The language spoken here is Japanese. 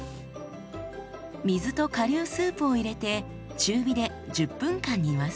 水と顆粒スープを入れて中火で１０分間煮ます。